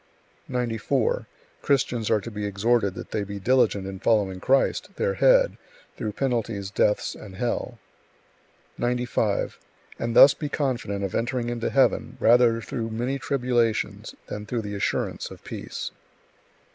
94. Christians are to be exhorted that they be diligent in following Christ, their Head, through penalties, deaths, and hell; 95. And thus be confident of entering into heaven rather through many tribulations, than through the assurance of peace.